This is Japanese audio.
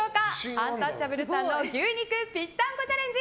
アンタッチャブルさんの牛肉ぴったんこチャレンジ